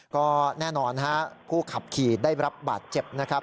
ก็แน่นอนผู้ขับขี่ได้รับบาดเจ็บ